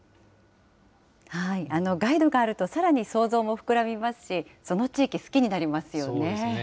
ガイドがあると、さらに想像も膨らみますし、その地域、そうですね。